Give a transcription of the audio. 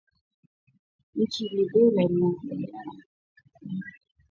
Nchini Liberia tunakabiliana na mfumo dume wenye nguvu kubwa ambao unawakandamiza wanawake